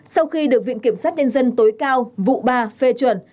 sau khi được viện kiểm sát nhân dân tối cao vụ ba phê chuẩn